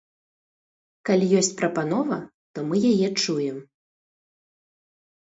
Калі ёсць прапанова, то мы яе чуем.